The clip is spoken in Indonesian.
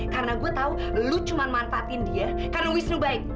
karena gua tahu lu cuma manfaatin dia karena wisnu baik